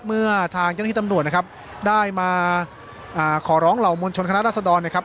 เมื่อทางเจ้าหน้าที่ตำรวจนะครับได้มาขอร้องเหล่ามวลชนคณะรัศดรนะครับ